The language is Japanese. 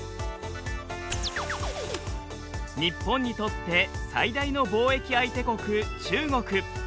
日本にとって最大の貿易相手国中国。